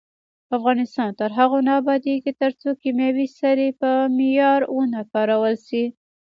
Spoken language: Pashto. افغانستان تر هغو نه ابادیږي، ترڅو کیمیاوي سرې په معیار ونه کارول شي.